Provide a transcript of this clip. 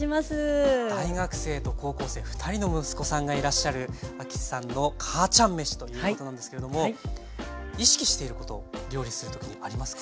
大学生と高校生２人の息子さんがいらっしゃる「亜希さんの母ちゃんめし」ということなんですけれども意識していること料理する時にありますか？